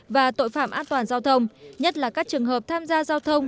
và tội phạm an toàn giao thông nhất là các trường hợp tham gia giao thông